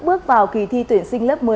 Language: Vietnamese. bước vào kỳ thi tuyển sinh lớp một mươi